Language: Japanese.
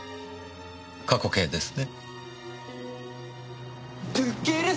過去形ですね？